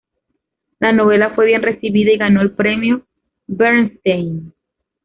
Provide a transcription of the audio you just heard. La novela fue bien recibida y ganó el "Premio Bernstein".